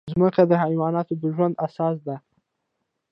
مځکه د حیواناتو د ژوند اساس ده.